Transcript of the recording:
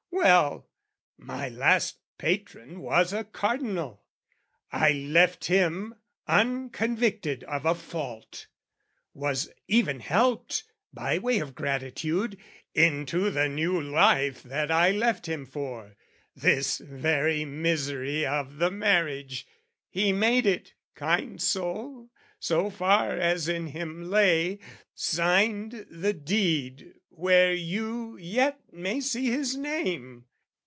Well, my last patron was a Cardinal. I left him unconvicted of a fault Was even helped, by way of gratitude, Into the new life that I left him for, This very misery of the marriage, he Made it, kind soul, so far as in him lay Signed the deed where you yet may see his name.